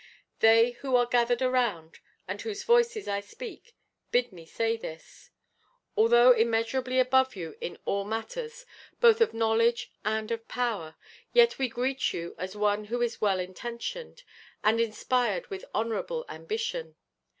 They who are gathered around, and whose voices I speak, bid me say this: Although immeasurably above you in all matters, both of knowledge and of power, yet we greet you as one who is well intentioned, and inspired with honourable ambition.